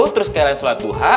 terus kalian sholat duha